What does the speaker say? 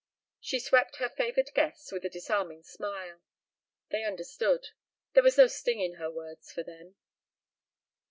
She swept her favored guests with a disarming smile. They understood. There was no sting in her words for them.